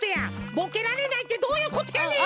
ボケられないってどういうことやねん！